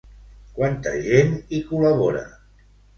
Quanta gent hi col·labora?